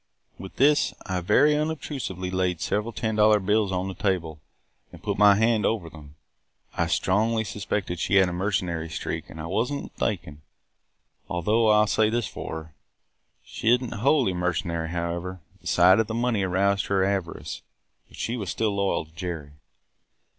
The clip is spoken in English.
With this, I very unobtrusively laid several ten dollar bills on the table and put my hand over them. I strongly suspected she had a mercenary streak and I was n't mistaken; though I 'll say this for her, that she is n't wholly mercenary, however. The sight of the money aroused her avarice; but she was still loyal to Jerry.